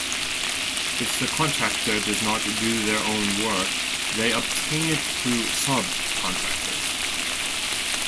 If the contractor does not do their own work, they obtain it through subcontractors.